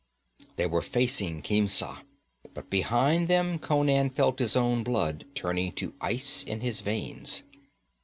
They were facing Khemsa, but behind them Conan felt his own blood turning to ice in his veins.